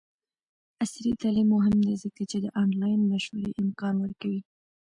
عصري تعلیم مهم دی ځکه چې د آنلاین مشورې امکان ورکوي.